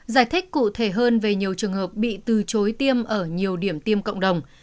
giải thích cụ thể hơn về nhiều trường hợp bị từ chối tiêm ở nhiều điểm tiêm cộng đồng